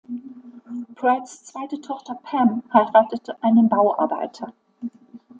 Pratts zweite Tochter Pam heiratet einen Bauarbeiter.